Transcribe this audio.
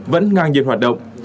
vẫn ngang nhiên hoạt động